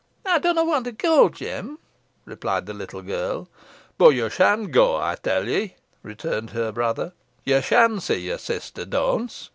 "Ey dunna want to go, Jem," replied the little girl. "Boh yo shan go, ey tell ey," rejoined her brother; "ye shan see your sister dawnce.